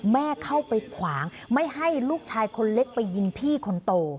แม่เข้าไปขวางไม่ให้ลูกชายคนเล็กไปยิงพี่คนโต